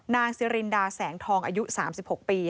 นางซิรินดาแสงทองอายุ๓๖ปี